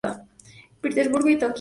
Petersburg y Tokyo.